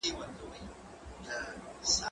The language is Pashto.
زه کتابتون ته نه راځم؟!